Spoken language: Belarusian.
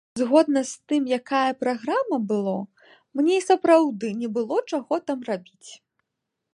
Згодна з тым, якая праграма было, мне і сапраўды не было чаго там рабіць.